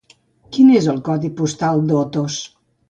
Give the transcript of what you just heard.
Quin és el codi postal d'Otos?